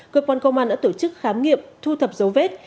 cơ quan công an đã tổ chức khám nghiệm thu thập dấu vết